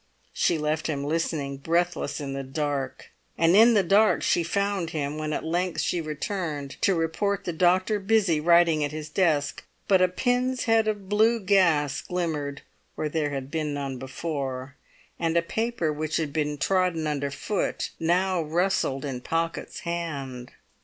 She left him listening breathless in the dark. And in the dark she found him when at length she returned to report the doctor busy writing at his desk; but a pin's head of blue gas glimmered where there had been none before, and a paper which had been trodden underfoot now rustled in Pocket's hand.